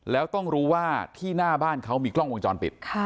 แล้วถูกตรงรู้ว่าที่หน้าบ้านเขามีกลรงจรปิด